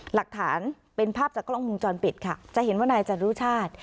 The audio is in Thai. หลักฐานเป็นภาพจากกล้องวงจรปิดค่ะจะเห็นว่านายจรุชาติ